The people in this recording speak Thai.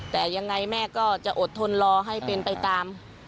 แต่ยังไงแม่ก็จะอดทนรอให้เป็นไปตาม